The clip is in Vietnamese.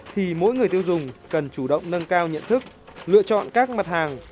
thì mỗi người tiêu dùng cần chủ động nâng cao nhận thức lựa chọn các mặt hàng